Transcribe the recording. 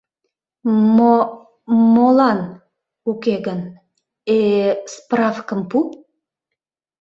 Мо... молан... уке гын... э... справкым пу...